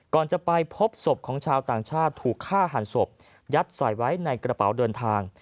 ก่อนจะไปพบศพของชาวต่างชาติถูกฆ่าหันศพยัดใส่ไว้ในกระเป๋าเดินทาง